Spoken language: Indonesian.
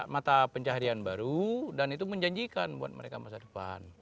mata pencaharian baru dan itu menjanjikan buat mereka masa depan